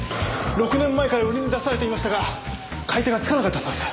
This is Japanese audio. ６年前から売りに出されていましたが買い手がつかなかったそうです。